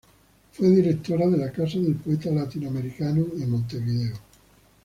Fue directora de la Casa del Poeta Latinoamericano en Montevideo.